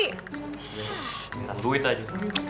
bilang duit aja